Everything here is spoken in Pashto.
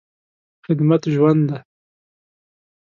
خدمت ژوند دی.